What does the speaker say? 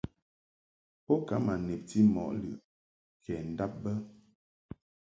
Bo ka ma nebti mɔ lɨʼ kɛ ndab bə.